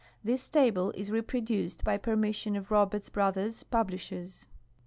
— This table is reproduced by permission of Roberts Broiliers, Publisliers.